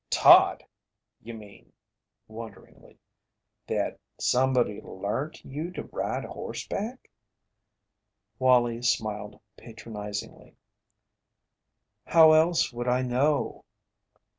"Taught? You mean," wonderingly, "that somebody learnt you to ride horseback?" Wallie smiled patronizingly: "How else would I know?"